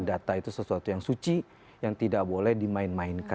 data itu sesuatu yang suci yang tidak boleh dimainkan